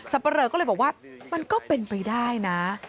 ปะเรอก็เลยบอกว่ามันก็เป็นไปได้นะ